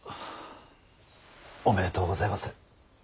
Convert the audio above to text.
おめでとうございます。